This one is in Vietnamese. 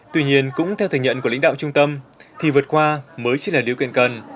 tuy nhiên cũng theo thừa nhận của lãnh đạo trung tâm thì vượt qua mới chỉ là điều kiện cần